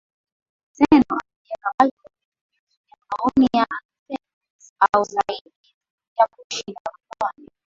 Zeno alijenga balcony iliyozuia maoni ya Anthemius au zaidi ya kushinda mahakamani